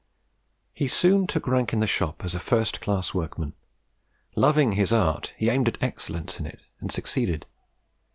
He soon took rank in the shop as a first class workman. Loving his art, he aimed at excellence in it, and succeeded.